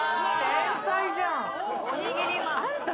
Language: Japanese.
天才じゃん。